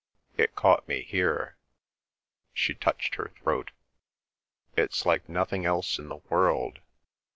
It caught me here" (she touched her throat). "It's like nothing else in the world!